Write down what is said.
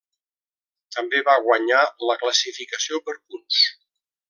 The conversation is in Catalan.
També va guanyar la classificació per punts.